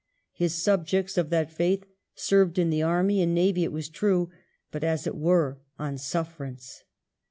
His subjects of that faith served in the army and navy it was true, but, as it were, on sufferance.